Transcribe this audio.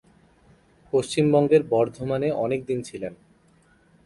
পশ্চিমবঙ্গের বর্ধমানে অনেকদিন ছিলেন।